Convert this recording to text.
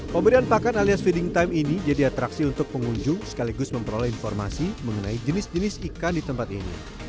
pemberian pakan alias feeding time ini jadi atraksi untuk pengunjung sekaligus memperoleh informasi mengenai jenis jenis ikan di tempat ini